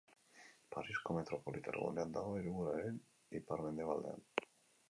Parisko metropolitar gunean dago, hiriburuaren ipar-mendebaldean.